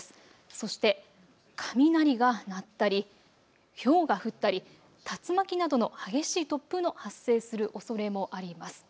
そして雷が鳴ったり、ひょうが降ったり、竜巻などの激しい突風の発生するおそれもあります。